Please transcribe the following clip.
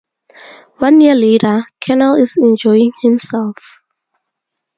One year later, Kernel is enjoying himself.